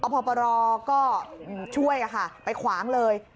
พปรก็ช่วยค่ะไปขวางเลย